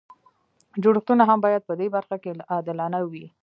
جوړښتونه هم باید په دې برخه کې عادلانه وي.